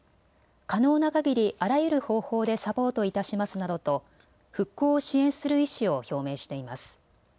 可能なかぎりあらゆる方法でサポートいたしますなどと復興を支援する意思を表明しています。